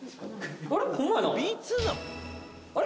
あれ？